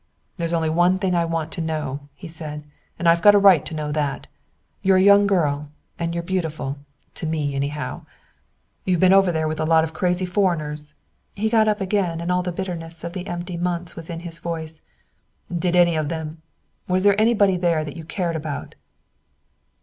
"There's only one thing I want to know," he said. "And I've got a right to know that. You're a young girl, and you're beautiful to me, anyhow. You've been over there with a lot of crazy foreigners." He got up again and all the bitterness of the empty months was in his voice. "Did any of them was there anybody there you cared about?"